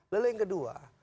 lalu yang kedua